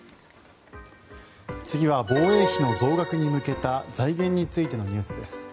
次は防衛費の増額に向けた財源についてのニュースです。